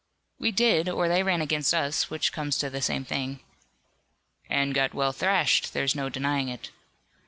"We did, or they ran against us, which comes to the same thing." "And got well thrashed. There's no denying it."